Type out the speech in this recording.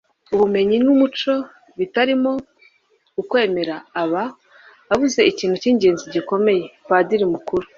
ubumenyi n'umuco bitarimo ukwemera aba abuze ikintu cy'ingenzi gikomeye.padiri mukuru